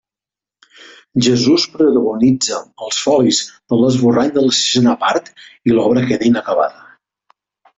Jesús protagonitza els folis de l'esborrany de la sisena part i l'obra queda inacabada.